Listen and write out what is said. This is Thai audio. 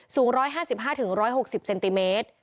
สูง๑๕๕๑๖๐เซนติเมตร